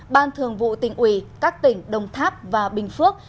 ban thường vụ tỉnh ủy các tỉnh đồng tháp và bình phước